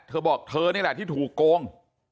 เธอบอกเธอนี่แหละที่ถูกโกง